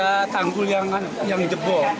ada tanggul yang jebol